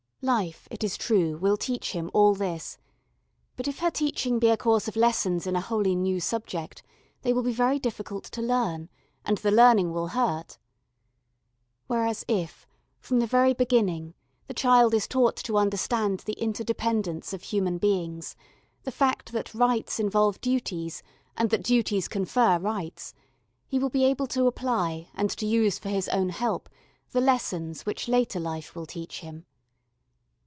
Life, it is true, will teach him all this, but if her teaching be a course of lessons in a wholly new subject, they will be very difficult to learn, and the learning will hurt. Whereas if, from the very beginning, the child is taught to understand the interdependence of human beings, the fact that rights involve duties and that duties confer rights, he will be able to apply and to use for his own help the lessons which later life will teach him.